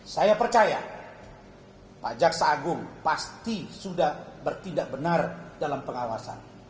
saya percaya pak jaksa agung pasti sudah bertindak benar dalam pengawasan